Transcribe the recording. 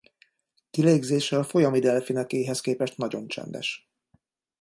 Kilégzése a folyami delfinekéhez képest nagyon csendes.